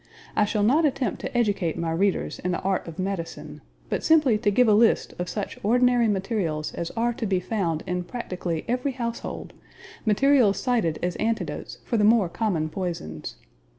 I shall not attempt to educate my readers in the art of medicine, but simply to give a list of such ordinary materials as are to be found in practically every household, materials cited as antidotes for the more common poisons.